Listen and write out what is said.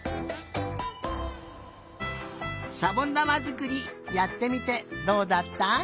しゃぼんだまづくりやってみてどうだった？